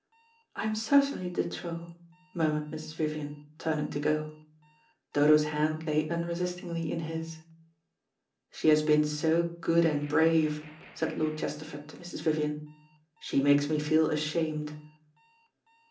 "I am certainly de trop," murmured Mrs. Vivian, turning to go. Dodo's hand lay unresistingly in his. "She has been so good and brave," said Lord Chesterford to Mrs. Vivian, "she makes me feel ashamed."